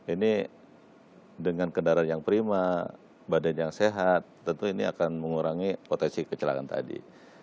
ini dengan kendaraan yang prima badan yang sehat tentu ini akan mengurangi potensi kecelakaan tadi